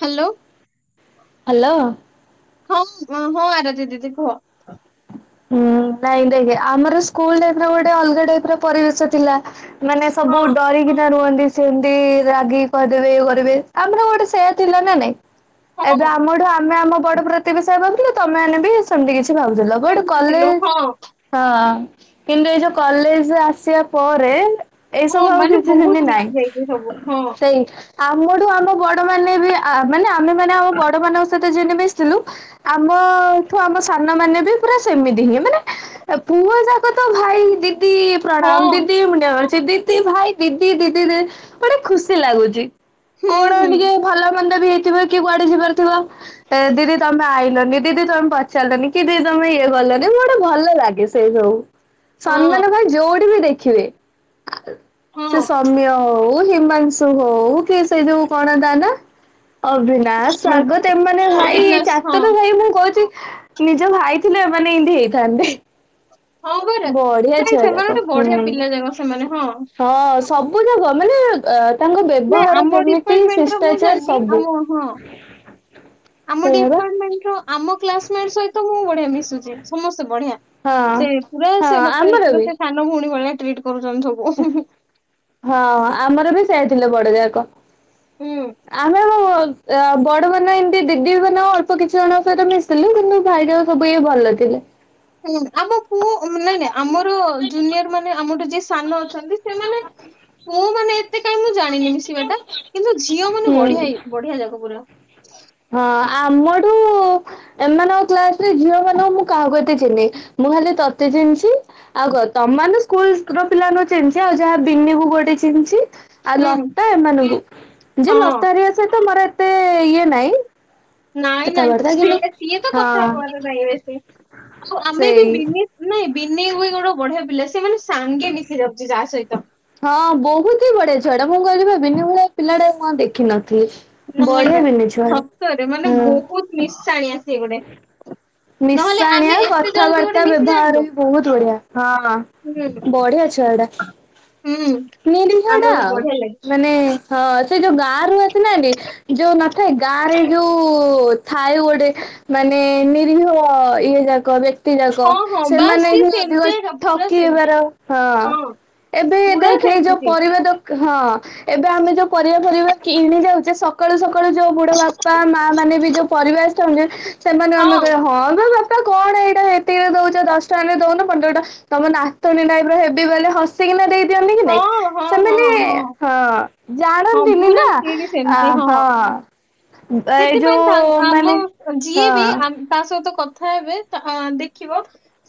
Hello. Hello. ହମ୍, ଅଁ, [unintelligible] ଦିଦି ଦିଦି କୁହ। ହୁଁ, କାଇଁ ଦେବେ। ଆମର ସ୍କୁଲ୍ ଲାଇଫ୍ ର ଗୋଟେ ଅଲଗା ଟାଇପ୍ ର ପରିବେଶ ଥିଲା। ମାନେ ସବୁ ହଁ ଡରିକି ତ ରୁହନ୍ତି। ସେମିତି ରାଗିକି କହିଦେବେ ଇଏ କରିବେ। ଆମର ଗୋଟେ ସେୟା ଥିଲା ନା ନାଇଁ ଏବେ ହଁ ଆମଠୁ ଆମେ ଆମ ବଡ ପ୍ରତି ବିଷୟ ଭାବୁଥିଲ। ତୋମେ ମାନେ ବି ସେମିତି କିଛି ଭାବୁଥିଲ ବଡ କେନ୍ତି ହେଲୁ ହଁ। ହଁ କିନ୍ତୁ ଏଇ ଯୋଉ କଲେଜେ ଆସିବା ପରେ ଏଇ ହଁ ସବୁ ଆଉ ମାନେ କିଛି ସିନ୍ତି ବହୁତ ନାହିଁ ମିଶି ଯାଇଛି ସବୁ ହଁ। ସେଇ ଆମଠୁ ଆମ ବଡମାନେ ବି ଆ ଆ ମାନେ ଆମେମାନେ ଆମ ବଡମାନଙ୍କ ସହିତ ଯେନ୍ତି ମିଶିଥିଲୁ ଆମଠୁ ଆମ ସାନମାନେ ବି ପୁରା ସେମିତି ହିଁ ମାନେ ଏ ପୁଅଯାକ ତ ଭାଇ ଦିଦି ପ୍ରଣାମ ହଁ ଦିଦି ମୁଣ୍ଡିଆ ମାରୁଚି। ସିଏ ଦିଦି ଭାଇ ଦିଦି ଦିଦି ଦେ ବଢିଆ ଖୁସି ଲାଗୁଛି ହୁଁ କଣ ହୁଁ ଟିକେ ଭଲ ମନ୍ଦ ବି ହେଇଥିବ କିଏ କୁଆଡେ ଯିବାର ଥିବ ଦିଦି ତମେ ଆଇଲନି ଦିଦି ତମେ ପଚାରିଲନି କିଏ ଦି ତମେ ଇଏ ଗଲନି ମୁଁ ଗୋଟେ ଭଲ ଲାଗେ ସେଇ ସବୁ ହଁ ସମ୍ନାନ ଭାଇ ଯୋଉଠି ବି ଦେଖିବେ ହଁ ସିଏ ସୌମ୍ୟ ହଉ ହିମାଂଶୁ ତୁ ହଉ କି ସେଇ ଯୋଉ କଣ ତା ନା ଅଭି ନା ହଁ ସ୍ଵାଗତ ଏମାନେ ଭାଇ ଅବିନାଶ, ଚା [unintelligible] ଭାଇ ମୁଁ କହୁଛି ନିଜ ଭାଇ ଥିଲେ ମାନେ ଇନ୍ତି ହେଇଥାନ୍ତେ। ହଁ ହଁ ପରା। ବଢିଆ ନାଇଁ ସେମାନେ ଛୁଆଯାକ ଗୋଟେ ହୁଁ। ବଢିଆ ପିଲା ଯାକ ସେମାନେ ହଁ ହଁ ସବୁଯାକ ମାନେ ଆ ତାଙ୍କ ନାଇଁ ବେବହାର ଆମ ଯେମିତି ଡିପାର୍ଟମେଣ୍ଟ ର ମୁଁ ଶିଷ୍ଟାଚାର ଜାଣିନି ସବୁ। ଆମ ହଁ ଆମ ସେଇଆ ବା ଡିପାର୍ଟମେଣ୍ଟର ଆମ କ୍ଲାସମେଟ୍ ସହିତ ମୁଁ ବଢିଆ ମିଶୁଚି ସମସ୍ତେ ବଢିଆ। ହଁ ସେଇ ପୁରା ହଁ ସିଏ ମତେ ଆମର ପୁରା ବି ସେ ସାନ ଭଉଣୀ ଭଳିଆ ଟ୍ରିଟ୍ କରୁଛନ୍ତି ସବୁ। ହଁ ଆମର ବି ସେୟା ଥିଲେ ବଡଯାକ ହୁଁ ଆମର ଅ ବଡମାନେ ଏମତି ଦିଦିମାନେ ଅଳ୍ପ କିଛି ଜଣଙ୍କ ସହିତ ମିଶଥିଲି କିନ୍ତୁ ଭାଇଯାକ ସବୁ ଏଇଆ ଭଲ ଥିଲେ। ହୁଁ ଆମ ପୁଅ ଉଁ ନାଇଁ ନାଇଁ ଆମର ଜୁନିଅରମାନେ ଆମଠୁ ଯିଏ ସାନ ଅଛନ୍ତି ସେମାନେ ପୁଅମାନେ ଏତେ କାହିଁ ମୁଁ ଜାଣିନି ମିଶିବାଟା କିନ୍ତୁ ଝିଅମାନେ ବଢିଆ ହୁଁ ଇ ବଢିଆ ଯାକ ପୁରା। ହଁ ଆମଠୁ ଏମାନଙ୍କ କ୍ଲାସରେ ଝିଅମାନଙ୍କୁ ମୁଁ କାହାକୁ ଏତେ ଚିହ୍ନିନି ମୁଁ ଖାଲି ତତେ ଚିହ୍ନିଚି। ଆଉ କ ତମମାନେ ସ୍କୁଲର ପିଲାମାନଙ୍କୁ ଚିହ୍ନଛି ଆଉ ଯାହା ବିିନିକୁୁ ଗୋଟେ ଚିହ୍ନଛି। ଆଉ ହୁଁ ଲତା ଏମାନଙ୍କୁ ଯେ ହଁ ଲତା ହେରିକା ସହିତ ମୋର ଏତେ ଇଏ ନାଇଁ। ନାଇଁ ନାଇଁ କଥାବାର୍ତ୍ତା କିନ୍ତୁ ସିଏ ସିଏ ତ କଥା ହଁ ହବାର ନାହିଁ ଆସିକି ଆଉ ଆମେ ବି ସେଇ ବିନି [unintelligible] ନାଇଁ ବିନି ବି ଗୋଟେ ବଢିଆ ପିଲା ସେମାନେ ସାଙ୍ଗେ ମିଶି ଯାଉଚି ଯାହା ସହିତ। ହଁ ବୋହୁତ ହି ବଢିଆ ଛୁଆଟା ମୁଁ କହିଲି ପା ବିନି ଭଳିଆ ପିଲାଟାକୁ ମୁଁ ଅ ଦେଖିନଥିଲି। ବଢିଆ [unintelligible] ବିନି ଛୁଆଟା ସତରେ ମାନେ ହଁ। ବୋହୁତ ମିଶାଣିଆ ସିଏ ଗୋଟେ। ନହେଲେ ଆମେ ମିଶାଣିଆ ଏତେ ଜଲଦି ଗୋଟେ କଥାବାର୍ତ୍ତା ମିଶି ଯାଆନ୍ତୁ ବେବହାର ବି ବୋହୁତ ବଢିଆ ହୁଁ ହଁ। ବଢିଆ ଛୁଆଟା ହୁଁ ଆମର ନିରୀହଟା ଆଉ। ବଢିଆ ଲାଗେ। ମାନେ ହଁ ସେ ଯୋଉ ଗାଁରୁ ଆସିନାଆନ୍ତି ଯୋଉ ନଥାଏ ଗାଁରେ ଯୋଉ ଥାଏ ଗୋଟେ ମାନେ ନୀ ରିହ ଇଏ ଯାକ ବେ ତି ଯାକ ହଁ ହଁ ବାସ୍ ସେମାନେ ସିଏ ହିଁ ଅଧିକ ସେମିତିଆ ଏକା ପୁରା ଠକି ସେମିତି ହେବାର ହଁ। ଏବେ ପୁରା ଦେଖେ ସେମିତି ଯୋଉ ସିଏ ପରିବା ଦୋକ୍ ହଁ ଏବେ ଆମେ ଯୋଉ ପରିବା ଫରିବା କିଣି ଯାଉଚେ ସ ସକାଳୁ ସକାଳୁ ଯୋଉ ବୁଢା ବାପା ମା ମାନେ ବି ଯୋଉ ପରିବା ଆସିଥାନ୍ତି ସେମାନେ ଆମେ କହିଆ ହଁ ହଁ ବେ ବାପା କଣ ଏଇଟା ଏତିକିରେ ଦଉଚ ଦଶ ଟଙ୍କାରେ ଦଉନ ପନ୍ଦର ଟଙ୍କା ତମ ନାତୁଣୀ ଟାଇପର ହେବି ବେଲେ ହସିକିନା ଦେଇଦିଅନ୍ ନିକି ହଁ ନାଇ ହଁ ହଁ ସେମାନେ ହଁ ହଁ ଜାଣନ୍ତିନି ପୁରା ନା ସିଏ ବି ଆ ସେମିତି ହଁ। ‌ ସେଥିପାଇଁ ତାଙ୍କ୍ ଆମ ଯିଏ ବି ହଁ ଆମ୍ ତା ସହିତ କଥା ହେବେ ତା ଆଁ ଦେଖିବ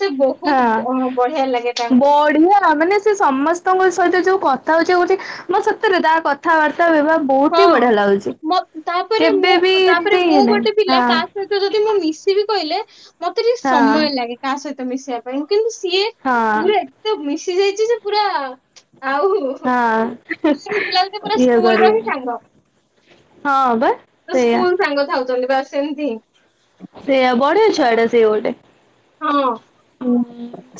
ସିଏ ବୋହୁତ ହଁ ବ ବଢିଆ ଲାଗେ ତାଙ୍କୁ। [unintelligible] ମାନେ ସିଏ ସମସ୍ତଙ୍କ ସହିତ ଯୋଉ କଥା [unintelligible] କରୁଛି ମତେ ସତେରେ ତା କଥାବାର୍ତ୍ତା [unintelligible] ବହୁତ ହି ହଁ। ବଢିଆ ଲାଗୁଛି। ମ ତାପରେ କେବେ ମୁଁ ବି ତାପରେ ଏମତି ମୁଁ ଇ ଗୋଟେ ନାହିଁ। ହଁ। [unintelligible] ଯଦି ମୁଁ ମିଶିବି କହିଲେ, ମତେ ଟିକେ ହଁ ସମୟ ଲାଗେ। କାହା ସହିତ ମିଶିବା ପାଇଁ କିନ୍ତୁ ସିଏ ହଁ ପୁରା ଏତେ ମିଶି ଯାଇଛି। ଯେ ପୁରା ଆଉ ହଁ। ମତେ ଲାଗୁଛି। ପିଲା ଯେମିତି ପୁରା ଇଏ ସ୍କୁଲର ହିଁ କରିବ ସାଙ୍ଗ। ହଁ ବା। ତ ସେଇଆ ସ୍କୁଲ ସାଙ୍ଗ କଥାହଉଛନ୍ତି ବା ସେମିତି। ସେଇଆ ବଢଆ ଛୁଆଟା ସେ ଗୋଟେ ହଁ। ହ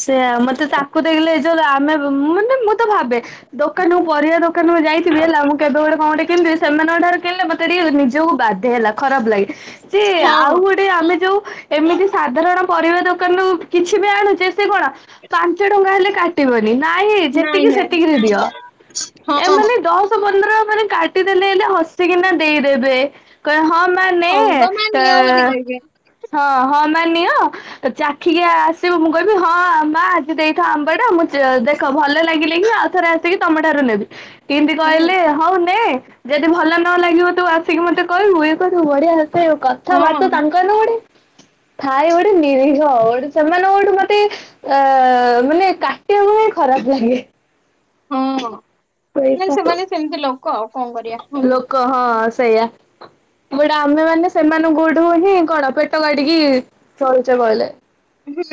ସେୟା ମତେ ତାକୁ ଦେଖିଲେ ଏଇ ଯୋଉ ମାନେ ମୁଁ ତ ଭାବେ ଦୋକାନକୁ ପରିବା ଦୋକାନକୁ ଯାଇଥିବି ହେଲା। ମୁଁ କେବେ ଗୋଟେ କଣ ଗୋଟେ କିଣିଥିବି। ସେମାନଙ୍କ ଠାରୁ କିଣିଲେ ମତେ ଟିକିଏ ନିଜକୁ ବା ଧେ ହେଲା। ଖରାପ ଲାଗେ। ସେ ଆଉ ହଁ ଗୋଟେ ଆମେ ଯୋଉ। ଏମିତି ସାଧାରଣ ପରିବା ଦୋକାନରୁ କିଛି ବି ଆଣୁଛେ। ସେ କଣ ପାଞ୍ଚ ଟଙ୍କା ହେଲେ କାଟିବନି। ନାଇଁ ଯେତିକି ସେତିକିରେ ଦିଅ। ହଁ ଏମାନେ ଦଶ, ପନ୍ଦର ମାନେ କାଟିଦେଲେ ହେଲେ ହସିକିନା ଦେଇଦେବେ। କହିବେ ହଁ ମା ନେ ହଉ ଗ ମା ନିଅ ବୋଲି କହିବେ। ତ-ହଁ-ହଁ-ମା ନିଅ ଚାଖିକି ଆସିବୁ। ମୁଁ କହିବି ହଁ ମା ଆଜି ଦେଇଥା ଆମ୍ବଟା। ମୁଁ ଦେଖ ଭଲ ଲାଗିଲେ ହି ଆଉ ଥରେ ଆ ତମ ଠାରୁ ନେବି। କେମିତି ହୁଁ କହିଲେ ହଉ ନେ ଯଦି ଭଲ ନ ଲାଗିବ ତୁ ଆସିକି ମତେ କହିବୁ ଇଏ କରିବୁ ବଢିଆ ସେ ଆଉ ହଁ କଥାବାର୍ତ୍ତା ତାଙ୍କୁ ଦୋକାନୁ ଗୋଟେ ଥାଏ ଗୋଟେ ମିରି ଗୋଟେ ସେମାନଙ୍କଠୁ ମତେ ଅ ମାନେ କାଟିବାକୁ ବି ଖରାପ ଲାଗେ। ହଁ, ନାଇଁ ପଇସା ସେମାନେ ସେମିତି ଲୋକ ଆଉ କଣ କରିବା ହୁଁ। କହ ସେଇଆ। ବଟ୍ ଆମେ ମାନେ ସେମାନଙ୍କୁଠୁ ହିଁ କଣ ପେଟ କାଟିକି ଚଳୁଛେ କହିଲେ। ହୁଁ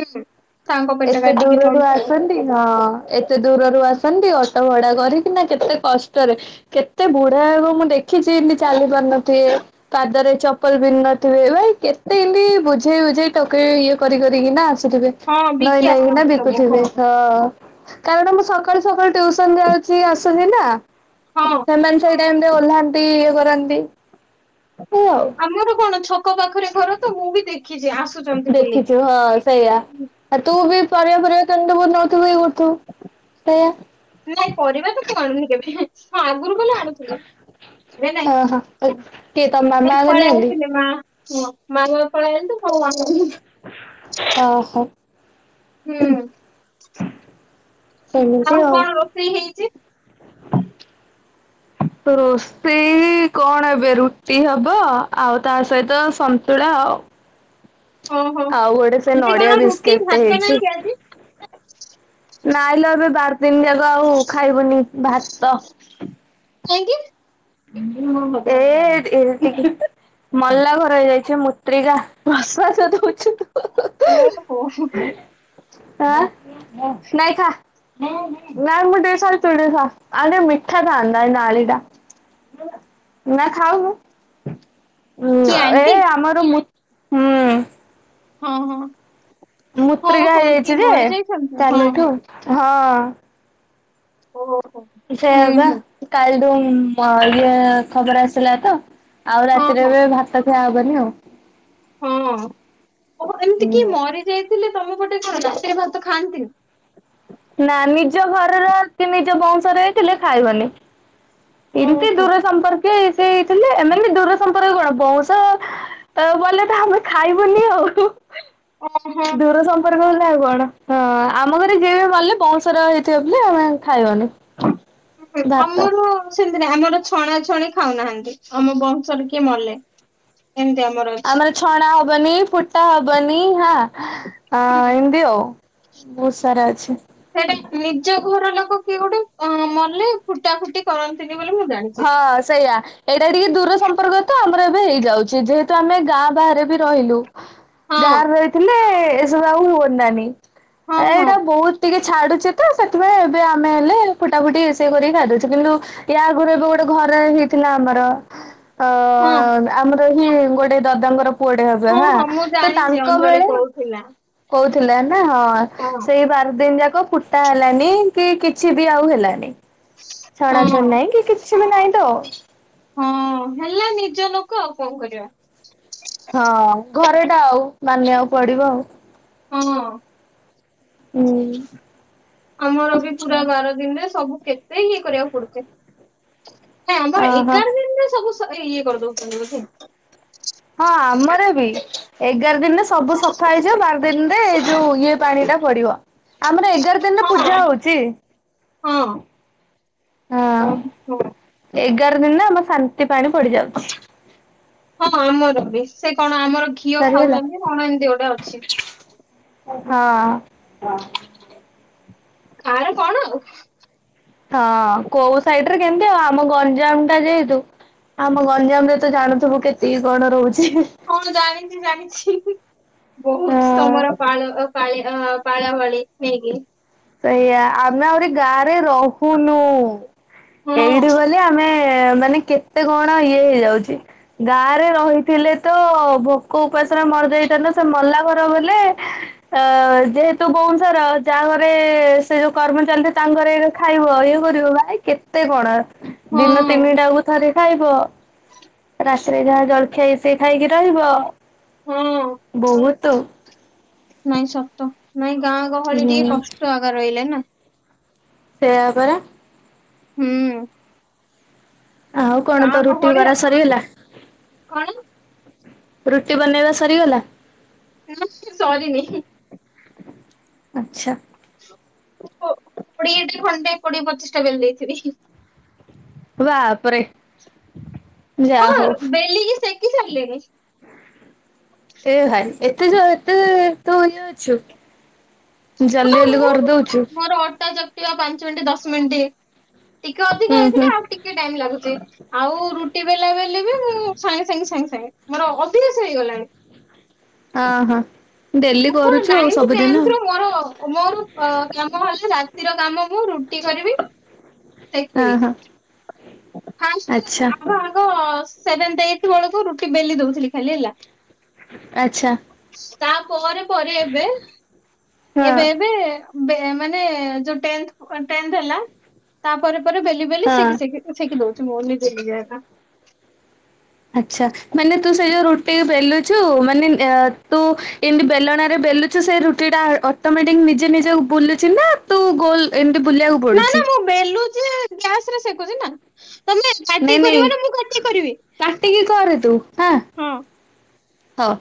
ତାଙ୍କ ପେଟ ଏତେ କାଟିକି ଦୂରରୁ ଚଳୁଛେ ଆଉ। ଆସନ୍ତି ହଁ ଏତେ ଦୂରରୁ ଆସନ୍ତି ଅଟୋ ଭଡା କରିକିନା କେତେ କଷ୍ଟରେ? କେତେ ବୁଢା ହେବ ମୁଁ ଦେଖିଛି ଏମିତି ଚାଲି ପାରୁନଥିବେ। ପାଦରେ ଚପଲ ପିନ୍ଧି ନଥିବେ, ଭାଇ କେତେ ଏମିତି ବୋଝେଇ ବୋଝେଇ ଟୋକେଇ ଇଏ କରି କରିକିନା ଆସୁଥିବେ। ହଁ ନଇଁ ବିକି ନଇଁ କିନା ଆସନ୍ତି ସବୁ ବିକୁଥିବେ, ହଁ। କାରଣ ମୁଁ ସକାଳୁ ସକାଳୁ ଟିୟୁସନ ଯାଉଛି ଆସୁଛିି ନା? ହଁ। ସେମାନେ ସେଇ ଟାଇମ୍ ରେ ଓହ୍ଲାନ୍ତି ଇଏ କରନ୍ତି ହୁ ଆଉ ଆମର କଣ ଛକ ପାଖରେ ଘର ତ ମୁଁ ବି ଦେଖିଛି ଆସ ଦେଖିଛ ହଁ ସେଇଆ। ଆଉ ତୁ ବି ପରିବା ଫରିବା କିଣୁଥିବୁ ନଉଥିବୁ ଇଏ କରୁଥିବୁ, ସେଇଆ। ନାଇଁ ପରିବା ତ ମୁଁ ଆଣୁନି କେବେ, ହଁ ଆଗୁରୁ ଗଲେ ଆଣୁଥିଲି। ଓହୋ କିଏ ତମ ମାମା ଆଗ ନିଅନ୍ତି [unintelligible] ହୁଁ [unintelligible] ଅହ। ହୁଁ, ଆଉ କଣ ରୋଷେଇ ହେଇଛି? ତ ରୋଷେଇ ଇ କଣ ଏବେ ରୁଟି ହବ ଆଉ ତା ସହିତ ସନ୍ତୁଳା ଆଉ। ଓହୋ ଆଉ ଗୋଟେ ସେ ଆଜି ନଡିଆ କଣ ରୁଟି ବିସ୍କିଟ୍ ଟେ ଭାତ ନାହିଁ ହେଇଛି। କି ଆଜି ନାଇଁଲୋ ଏବେ ବାର୍ ଦିନି ଯାକ ଆଉ ଖାଇବୁନି ଭାତ। କାହିଁକି? [inaudible] ମଲା ଘର ହେଇଯାଇଛି ମୁତ୍ରିକା ବସବାସ ଦଉଛୁ ତୁ ହୁ-ହୁ। ଓ ହୋ। ହାଁ ନାଇଁ ଖାଆ। [unintelligible] ଆଉ ଟିକେ ମିଠା ଥାନ୍ତା ଏ ନାଳି ଟା। ନା ଖାଉନୁ। କିଏ ଉଁ ଏ ଆଣ୍ଟି ଆମର ମୁ ହୁଁ ହଁ ହଁ। ହଁ ମୁତ୍ରିକିଆ ହଁ କିଏ ହେଇଯାଇଛି ଯେ, ମରି ଯାଇଛନ୍ତି ହଁ କାଲିଠୁ ହଁ ହଁ। ଓହୋ। ସେଇଆ ହୁଁ ବା ହୁଁ କାଲିଠୁ ଉଁ ଇଏ ଖବର ଆସିଲା ତ। ଆଉ ହଁ ରାତିରେ ହଁ ଏବେ ଭାତ ଖିଆ ହବନି ଆଉ। ହଁ ଓହୋ ଏମିତି କିଏ ମରିଯାଇଥିଲେ ତମ ପଟେ କଣ ରାତିରେ ଭାତ ଖାଆନ୍ତିନି? ନା ନିଜ ଘରର କି ନିଜ ବଂଶରେ ହେଇଥିଲେ ଖାଇବନି। ଏମିତି ଓହୋ ଦୂର ସମ୍ପର୍କୀୟ ଇଏ ସିଏ ହେଇଥିଲେ ଏମାନେ ଦୂର ସମ୍ପର୍କୀୟ କଣ ବଉଁଶ ତ ବଲେ ତ ଆମେ ଖାଇବୁନି ଆଉ, ଓହୋ ଦୂର ସମ୍ପ ସମ୍ପର୍କ ବଲେ ଆଉ କଣ ହଁ ଆମ ଘରେ ଯିଏ ବି ମଲେ ବଉଁଶର ହେଇଥିବ ବେଲେ ଆମେ ଖାଇବୁନି। ହୁଁ ଆମର ସେମିତି ନାଇଁ ଆମର ଛଣା ଛଣି ଖାଉନାହାନ୍ତି ଆମ ବଂଶରେ କିଏ ମଲେ। ଏମିତି ଆମର ଅଛି। ଛଣା ହବନି, ଫୁଟା ହବନି ହାଁ। ହୁଁ ହଁ ଏମିତି ଆଉ, ବହୁତ୍ ସାରା ଅଛି। ସେଇଟା ନିଜ ଘର ଲୋକ କିଏ ଗୋଟେ ଅଁ ମଲେ ଫୁଟା ଫୁଟି କରନ୍ତିନି ବୋଲି ମୁଁ ଜାଣିଛି। ହଁ ସେଇଆ। ଏଇଟା ଟିକେ ଦୂର ସମ୍ପର୍କ ତ ଆମର ଏବେ ହେଇଯାଉଛି, ଯେହେତୁ ଆମେ ଗାଁ ବାହାରେ ବି ରହିଲୁ। ହଁ ଗାଁରେ ରହିଥିଲେ ଏସବୁ ଆଉ ହୁଅନ୍ତାନି। ହଁ ହଁ ଏଇଟା ବହୁତ ଟିକେ ଛାଡୁଛି ତ ସେଥିପାଇଁ ଏବେ ଆମେ ହେଲେ ଫୁଟା ଫୁଟି ଇଏ ସିଏ କରିକି ଖାଇଦଉଛୁ। କିନ୍ତୁ ୟା ଆଗରୁ ଏବେ ଗୋଟେ ଘରେ ହେଇଥିଲା ଆମର ଆ ହଁ ଆମର ହିଁ ଗୋଟେ ଦଦାଙ୍କର ପୁଅଟେ ହେବେ ହଁ ହାଁ ହଁ ମୁଁ ତ ଜାଣିଛି ତାଙ୍କ ଅଞ୍ଜଳି ବେଳେ କହୁଥିଲା। କହୁଥିଲା ନା ହଁ ସେଇ ବାର ଦିନ ଯାକ ଫୁଟା ହେଲାନି କି କିଛି ବି ଆଉ ହେଲାନି। ହଁ ଛଣାଛଣି ନାହିଁ କି କିଛି ବି ନାହିଁ ତ ଆଉ। ହଁ ହେଲା ନିଜ ଲୋକ ଆଉ କଣ କରିବା। ହଁ, ଘରଟା ଆଉ ମାନିବାକୁ ପଡିବ ଆଉ। ହଁ। ହୁଁ। ଆମର ବି ପୁରା ବାର ଦିନରେ ସବୁ କେତେ ଇଏ କରିବାକୁ ପଡୁଛି। ନାଇ ଆମର ଅହୋ ଏଗାର ଦିନ ଦିନ ସବୁ ସ ଇଏ କରିଦଉଥିଲୁ। ହଁ, ଆମର ବି ଏଗାର ଦିନରେ ସବୁ ସଫା ହେଇଯିବ, ବାର ଦିନରେ ଏଇ ଯୋଉ ଇଏ ପାଣି ଟା ପଡିବ। ଆମର ଏଗାର ଦିନରେ ହଁ ପୂଜା ହଉଛି। ହଁ। ହଁ, ଓହୋ ଏଗାର ଦିନରେ ଆମ ଶାନ୍ତି ପାଣି ପଡିଯାଉଛି। ହଁ, ଆମର ବି। ସେ କଣ ଆମର ଘିଅ ସରିଗଲା ଖାଉଛନ୍ତି କଣ ଏମିତି ଗୋଟେ ଅଛି। ହଁ। କାର କଣ ଆଉ। ହଁ, କୋଉ ସାଇଡରେ କେମତି ଆଉ ଆମ ଗଞ୍ଜାମଟା ଯେହେତୁ ଆମ ଗଞ୍ଜାମରେ ତ ଜାଣୁଥିବୁ କେତିକି କଣ ରହୁଛି। ହଁ ଜାଣିଛି ଜାଣିଛି। ବୋହୁତ୍ ତମର ପାଳ ପାଳି ପାଳ ପାଳି, ନାଇଁକି ସେଇଆ ଆମେ ଆହୁରି ଗାଁରେ ରହୁନୁ, ହଁ ଏଇଠି ବୋଲି ଆମେ ମାନେ କେତେ କଣ ଇଏ ହେଇଯାଉଛି। ଗାଁରେ ରହିଥିଲେ ତ ଭୋକ ଉପାସରେ ମରି ଯାଇଥାନ୍ତେ। ସେ ମଲା ଘର ବୋଲେ ଅ ଯେହେତୁ ବଉଶର ଯାହାଘର ଏ ସେ ଯୋଉ କର୍ମ ଚାଲିଥିବ ତାଙ୍କଘରେ ଖାଇବ ଇଏ କରିବ ଭାଇ କେ ତେ କଣ ଦିନ ହଁ ତିନିଟାକୁ ଥରେ ଖାଇବ। [inaudible] ମାସରେ ଯାହା ଜଳଖିଆ ଇଏ ସିଏ ଖାଇକି ରହିବ। ହଁ ବୋହୁତ୍ ନାଇଁ ସତ ନାଇଁ ଗାଁ ଗହଳି ଟିକେ ହୁଁ କଷ୍ଟ ଆଗା ରହିଲେ ନା। ସେଇଆ ପରା। ହୁଁ। ଆଉ କଣ ଗାଁ ତୋ ରୁଟି ଗହଳି କରା ଆଉ ସରିଗଲା? କଣ ରୁଟି ବନେଇବା ସରିଗଲା? ନା ସେ ସରିନି। ଆଚ୍ଛା। କୋଡିଏଟା ଖଣ୍ଡେ କୋଡିଏ ପଚିଶିଟା ବେଲି ଦେଇଥିଲି। ବାପରେ। ହଁ ଯାହା ହଉ ବେଲିକି ସେକି ସାରିଲିଣି। ଏ ଭାଇ ଏତେ ଯ ଏତେ ତୁ ଇଏ ଅଛୁ? ଜଲ୍ଦୀ ହଁ ଜଲ୍ଦୀ ମୁଁ କରି ଦଉଛୁ। ମୋର ଅଟା ଚକ୍ ଟିବା ପାଞ୍ଚ ମିନିଟ୍ ଦଶ ମିନିଟ୍ ଟିକେ ଅଧିକ ଉୁଁ ହେଇଥିଲା ହୁଁ ଆଉ ଟିକେ ଟାଇମ୍ ଲାଗୁଛି। ଆଉ ରୁ ରୁଟି ବେଲା ବେଲି ବି ମୁଁ ସାଙ୍ଗେ ସାଙ୍ଗେ ସାଙ୍ଗେ ସାଙ୍ଗେ। ମୋର ଅଭ୍ୟାସ ହେଇଗଲାଣି। ଅଁ ହଁ। ଡେଲି ମୁଁ କଣ କରୁଛୁ ଆଉ ନାଇନ୍ଥ ସବୁଦିନ ଟେନ୍ଥରୁ ମୋର ମୋର ଅ କାମ ହେଲା ରାତିର କାମ ମୁଁ ରୁଟି କରିବି ଆଉ ସେକିବି। ହଁ ହଁ ଫାଷ୍ଟ ଆଚ୍ଛା ହବ ହବ ସେଭେନ୍ ଡେଟ ବେଳକୁ ରୁଟି ବେଲି ଦୋଉ ଥିଲି ଖାଲି। ଆଛା। ତା ପରେ ପରେ ଏବେ ହଁ ଏବେ ଏବେ ମାନେ ଯୋଉ ଟେଥ -ଟେଥ ହେଲା ତା ପରେରେ ପରେ ବୋଲିି ହଁ। ସେଖି ଦଉଛି ମୋନିତିି [unintelligible] ଆଛା ମାନେ ତୁ ସେ ଯୋଉ ରୁଟି ବେଲୁଛୁ ମାନେ ତୁ ଏମିତି ବେଲଣରେ ବେଲୁୁ ଛୁ ସେ ରୁଟି ଟା ଅଟୋମେଟିକ ନିଜେ ନିଜେ ବୁଲୁଚ ନା ତୁ ଗୋଲ ଏମିତି ବୁଲିବାକୁ ନା ନା ପଡୁଛିି? ମୁଁ ବେଲୁଛି ଗ୍ୟାସ୍ ରେ ସେକୁଛି ନା ତମେ କାଟି ନାଇଁ ନାଇଁ କରିବ ନା ମୁଁ କାଟି କରିବି କାଟିକି କରେ ତୁ ହଁ ହଉ।